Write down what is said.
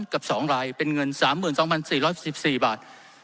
กับ๒รายเป็นเงิน๓๒๔๖๔บาท